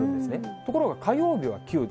ところが火曜日は９度。